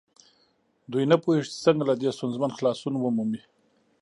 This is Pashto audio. دوی نه پوهېږي چې څنګه له دې ستونزې خلاصون ومومي.